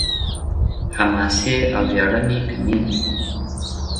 حماسي او وياړني کمېږي.